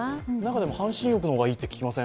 半身浴の方がいいって聞きません？